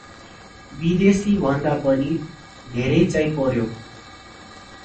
विदेशी भन्दा पनि धेरै चै पर्यो ।